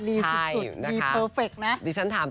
ดีสุดดีเพอร์เฝคต์นะใช่ดิฉันถาม